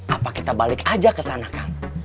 apa kita balik aja ke sana kan